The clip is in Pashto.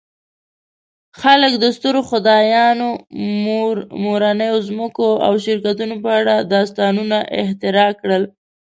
خلک د سترو خدایانو، مورنیو ځمکو او شرکتونو په اړه داستانونه اختراع کړل.